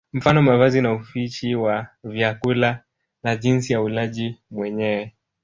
Mfano mavazi na upishi wa vyakula na jinsi ya ulaji wenyewe